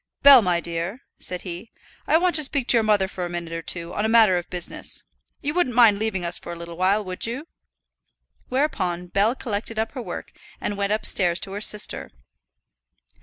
"Bell, my dear," said he, "I want to speak to your mother for a minute or two on a matter of business. You wouldn't mind leaving us for a little while, would you?" Whereupon Bell collected up her work and went upstairs to her sister.